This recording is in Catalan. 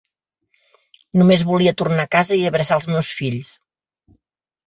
Només volia tornar a casa i abraçar els meus fills.